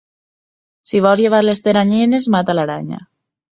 Si vols llevar les teranyines, mata l'aranya.